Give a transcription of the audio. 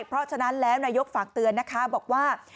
เพราะฉะนั้นแล้วนายกฝากเตือนนะคะบอกว่า